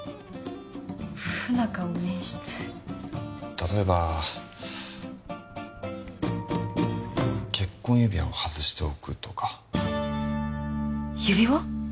例えば結婚指輪を外しておくとか指輪？